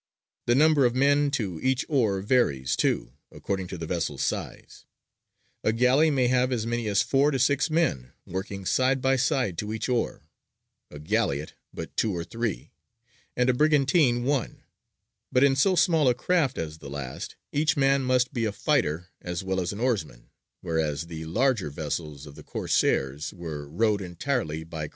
The number of men to each oar varies, too, according to the vessel's size: a galley may have as many as four to six men working side by side to each oar, a galleot but two or three, and a brigantine one; but in so small a craft as the last each man must be a fighter as well as an oarsmen, whereas the larger vessels of the Corsairs were rowed entirely by Christian slaves.